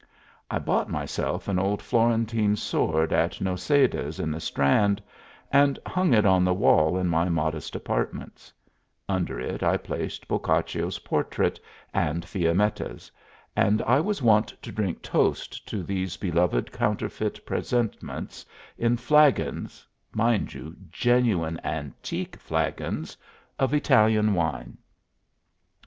I bought myself an old Florentine sword at Noseda's in the Strand and hung it on the wall in my modest apartments; under it I placed Boccaccio's portrait and Fiammetta's, and I was wont to drink toasts to these beloved counterfeit presentments in flagons (mind you, genuine antique flagons) of Italian wine.